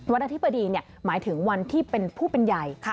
อธิบดีหมายถึงวันที่เป็นผู้เป็นใหญ่